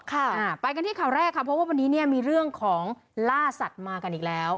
ค่ะอ่าไปกันที่ข่าวแรกค่ะเพราะว่าวันนี้เนี่ยมีเรื่องของล่าสัตว์มากันอีกแล้ว